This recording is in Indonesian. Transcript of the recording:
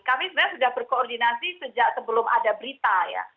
kami sebenarnya sudah berkoordinasi sejak sebelum ada berita ya